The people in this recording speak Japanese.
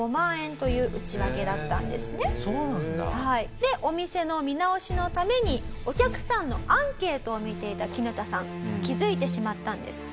でお店の見直しのためにお客さんのアンケートを見ていたキヌタさん気付いてしまったんです。